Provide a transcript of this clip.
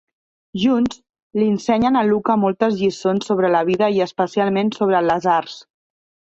Junts, li ensenyen a Luca moltes lliçons sobre la vida i especialment sobre les arts.